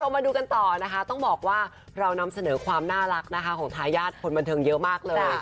มาดูกันต่อนะคะต้องบอกว่าเรานำเสนอความน่ารักนะคะของทายาทคนบันเทิงเยอะมากเลย